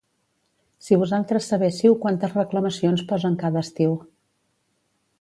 Si vosaltres sabéssiu quantes reclamacions posen cada estiu.